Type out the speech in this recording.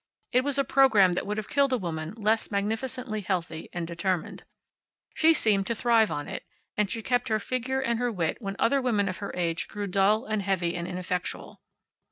It was a program that would have killed a woman less magnificently healthy and determined. She seemed to thrive on it, and she kept her figure and her wit when other women of her age grew dull, and heavy, and ineffectual.